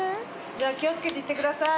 じゃあ気を付けて行ってください。